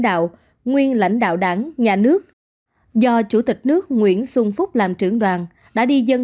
đạo nguyên lãnh đạo đảng nhà nước do chủ tịch nước nguyễn xuân phúc làm trưởng đoàn đã đi dân